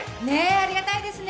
ありがたいですね。